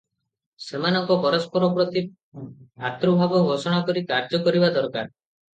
ସେମାନେ ପରସ୍ପର ପ୍ରତି ଭାତୃଭାବ ଘୋଷଣା କରି କାର୍ଯ୍ୟ କରିବା ଦରକାର ।